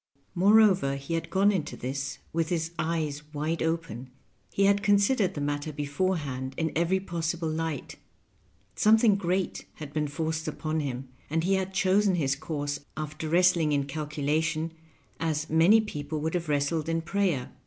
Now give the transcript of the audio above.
Moreover, he had gone into this with his eyes wide open — he had considered the matter beforehand in every possible light ; something great had been forced upon him, and he had chosen his course after wrestling in calculation as many people would have wrestled in prayer.